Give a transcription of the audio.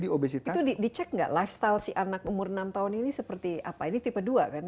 di obesitas itu dicek nggak lifestyle si anak umur enam tahun ini seperti apa ini tipe dua kan